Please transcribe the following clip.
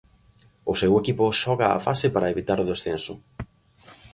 O seu equipo xoga a fase para evitar o descenso.